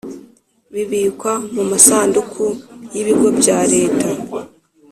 Bibikwa mu masanduku y ‘ibigo bya Leta.